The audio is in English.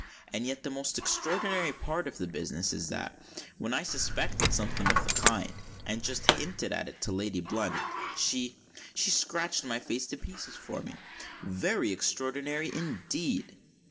And yet the most extraordinary part of the business is that—when I suspected something of the kind, and just hinted at it to Lady Blunt—she—she scratched my face to pieces for me. Very extraordinary, indeed!"